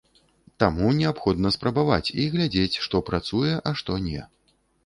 Таму неабходна спрабаваць і глядзець, што працуе, а што не.